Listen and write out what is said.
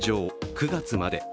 ９月まで。